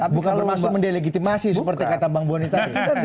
bukan bermaksud mendelegitimasi seperti kata bang boni tadi